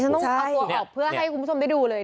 ต้องเอาตัวออกเพื่อให้คุณผู้ชมได้ดูเลย